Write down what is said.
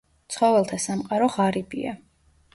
ცხოველთა სამყარო ღარიბია.